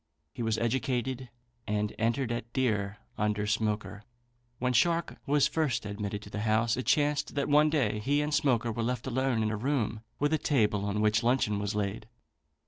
He was educated and entered at deer under Smoaker. When Shark was first admitted to the house, it chanced that one day he and Smoaker were left alone in a room with a table on which luncheon was laid.